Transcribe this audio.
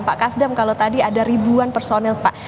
pak kasdam kalau tadi ada ribuan personil pak